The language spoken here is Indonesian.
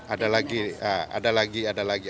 ada lagi ada lagi ada lagi